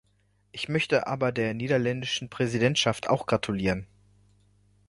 Ich möchte aber der niederländischen Präsidentschaft auch gratulieren.